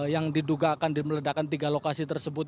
yang diduga akan meledakan tiga lokasi tersebut